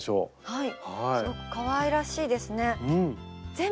はい。